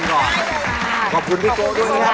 เบอร์๑ออกมาเป็น